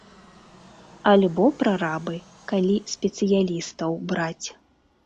Альбо прарабы, калі спецыялістаў браць.